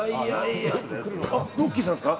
ロッキーさんですか？